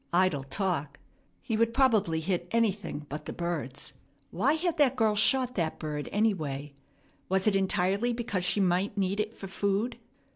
Idle talk. He would probably hit anything but the birds. Why had that girl shot that bird, anyway? Was it entirely because she might need it for food?